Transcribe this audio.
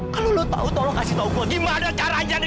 kalau lo tahu tolong kasih tahu gue gimana caranya ndre